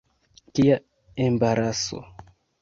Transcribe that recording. Kia embaraso!